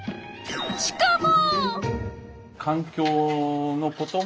しかも！